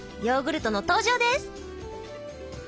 ヨーグルトの登場です。